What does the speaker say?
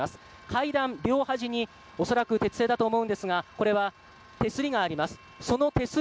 階段両端に恐らく鉄製だと思うんですが手すりがあります。